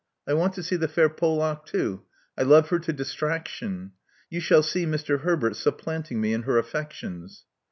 I want to see the fair Polack too: I love her to distraction. You shall see Mister Herbert supplanting me in her affections."